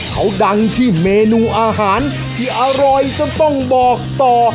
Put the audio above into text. เขาดังที่เมนูอาหารที่อร่อยจนต้องบอกต่อ